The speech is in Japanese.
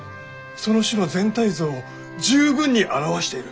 その種の全体像を十分に表している！